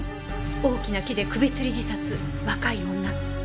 大きな木で首つり自殺若い女。